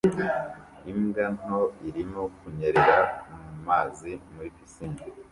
Imbwa nto irimo kunyerera mu mazi muri pisine